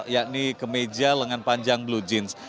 yakni kemeja lengan panjang blue jeans